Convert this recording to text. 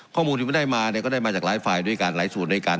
ข้อมูลที่ไม่ได้มาเนี่ยก็ได้มาจากหลายฝ่ายด้วยกันหลายส่วนด้วยกัน